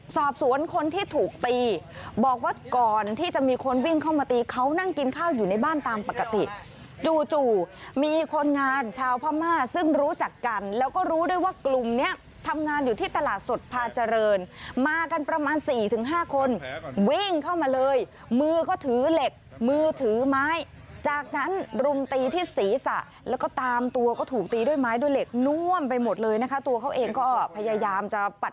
สอบสวนคนที่ถูกตีบอกว่าก่อนที่จะมีคนวิ่งเข้ามาตีเขานั่งกินข้าวอยู่ในบ้านตามปกติจู่จู่มีคนงานชาวพม่าซึ่งรู้จักกันแล้วก็รู้ด้วยว่ากลุ่มเนี้ยทำงานอยู่ที่ตลาดสดพาเจริญมากันประมาณสี่ถึงห้าคนวิ่งเข้ามาเลยมือก็ถือเหล็กมือถือไม้จากนั้นรุมตีที่ศีรษะแล้วก็ตามตัวก็ถูกตีด้วยไม้ด้วยเหล็กน่วมไปหมดเลยนะคะตัวเขาเองก็พยายามจะป